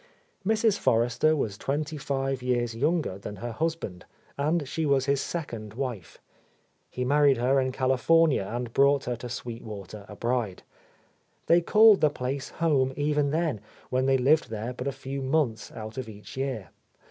Mrs. Forrester was twenty five years younger than her husband, and she was his second wife. He married her in California and brought her to Sweet Water a bride. They called the place home even then, when they lived there but a few months out of each year.